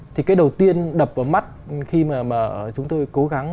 thì cái đầu tiên đập vào mắt khi mà chúng tôi cố gắng